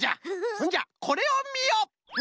ほんじゃこれをみよ。